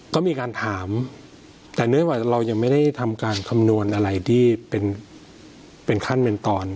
ก็มีการถามแต่เนื่องจากเรายังไม่ได้ทำการคำนวณอะไรที่เป็นขั้นเป็นตอน